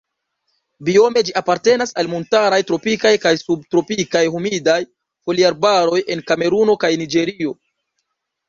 Biome ĝi apartenas al montaraj tropikaj kaj subtropikaj humidaj foliarbaroj en Kameruno kaj Niĝerio.